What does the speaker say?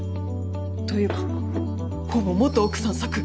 というかほぼ元奥さん作！